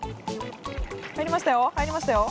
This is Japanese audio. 入りましたよ。